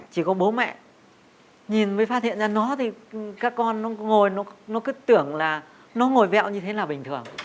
chỉ có bố mẹ nhìn mới phát hiện ra nó thì các con nó ngồi nó cứ tưởng là nó ngồi vẹo như thế là bình thường